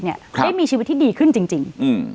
ได้มีชีวิตที่ดีขึ้นจริง